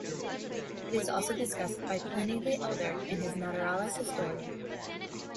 It is also discussed by Pliny the Elder in his Naturalis Historia.